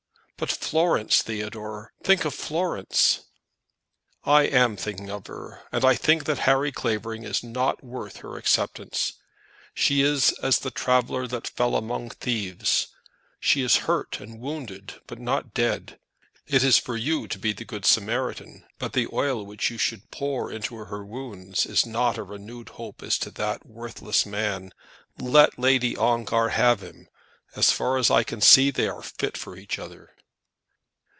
"But Florence, Theodore! Think of Florence!" "I am thinking of her, and I think that Harry Clavering is not worth her acceptance. She is as the traveller that fell among thieves. She is hurt and wounded, but not dead. It is for you to be the Good Samaritan, but the oil which you should pour into her wounds is not a renewed hope as to that worthless man. Let Lady Ongar have him. As far as I can see, they are fit for each other."